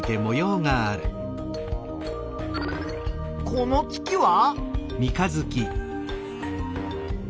この月は？